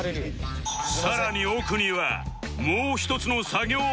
さらに奥にはもう一つの作業部屋が